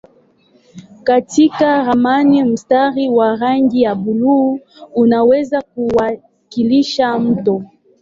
Katika ramani mstari wa rangi ya buluu unaweza kuwakilisha mto.